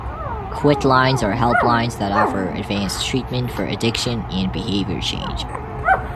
Quitlines are helplines that offer advanced treatment for addiction and behavior change.